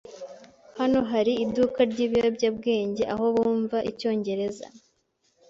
Hano hari iduka ryibiyobyabwenge aho bumva icyongereza?